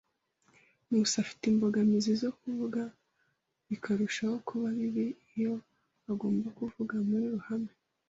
Nkusi afite imbogamizi zo kuvuga, bikarushaho kuba bibi iyo agomba kuvugira mu ruhame.